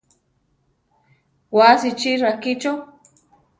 Wasi chi rakícho.